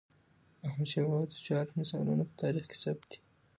احمدشاه بابا د شجاعت مثالونه په تاریخ کې ثبت دي.